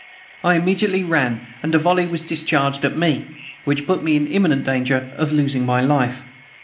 I immediately ran, and a volley was discharged at me, which put me in imminent danger of losing my life.